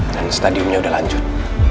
dan stadiumnya udah lanjut